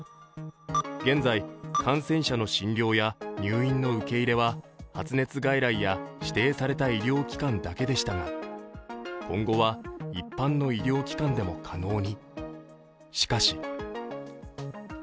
現在、感染者の診療や入院の受け入れは発熱外来や指定された医療機関だけでしたが、今後は一般の医療機関でも可能に。